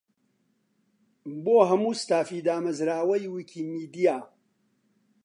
بۆ: هەموو ستافی دامەزراوەی ویکیمیدیا.